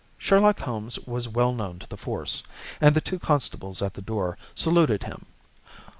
Sherlock Holmes was well known to the force, and the two constables at the door saluted him.